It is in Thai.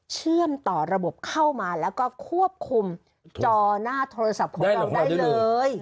เชื่อมต่อระบบเข้ามาแล้วก็ควบคุมจอหน้าโทรศัพท์ของเราได้เลย